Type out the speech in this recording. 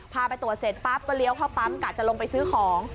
พาไปตรวจเสร็จแป๊บก็เลี้ยวเพาะพับกะจะลงไปซื้อของ